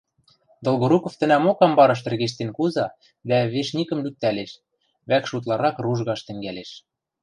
Долгоруков тӹнӓмок амбарыш тӹргештен куза дӓ вешникӹм лӱктӓлеш: вӓкш утларак ружгаш тӹнгӓлеш.